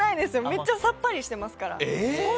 めっちゃさっぱりしてますから。